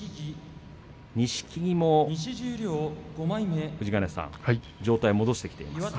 錦木も富士ヶ根さん状態を戻してきてますね。